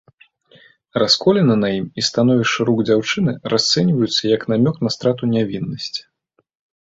Расколіна на ім і становішча рук дзяўчыны расцэньваюцца як намёк на страту нявіннасці.